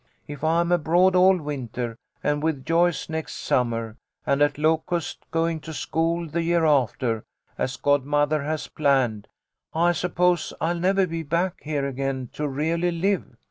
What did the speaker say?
If I'm abroad all winter, and with Joyce next summer, and at Locust going to school the year after, as godmother has planned, I suppose I'll never be back here again to really live.